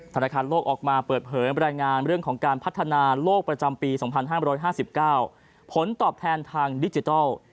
ธนาคารโลกออกมาเปิดเผยรายงานเรื่องของการพัฒนาโลกประจำปี๒๕๕๙ผลตอบแทนทางดิจิทัล